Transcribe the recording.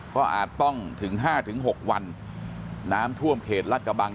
ก็อาจต้องถึง๕๖วันน้ำท่วมเขตรัดกระบัง